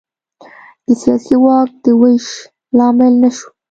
د سیاسي واک د وېش لامل نه شو.